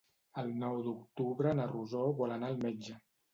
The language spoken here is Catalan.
El nou d'octubre na Rosó vol anar al metge.